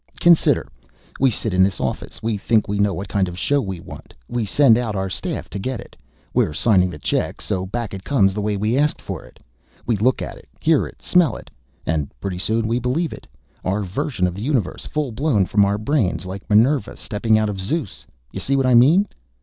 "Consider. We sit in this office. We think we know what kind of show we want. We send out our staff to get it. We're signing the checks, so back it comes the way we asked for it. We look at it, hear it, smell it and pretty soon we believe it: our version of the universe, full blown from our brains like Minerva stepping out of Zeus. You see what I mean?"